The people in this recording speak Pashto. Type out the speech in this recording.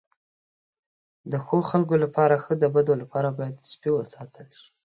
د ښو خلکو لپاره ښه، د بدو لپاره باید سپي وساتل شي.